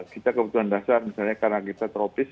kita kebutuhan dasar misalnya karena kita tropis